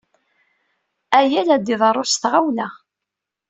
Aya la d-iḍerru s tɣawla.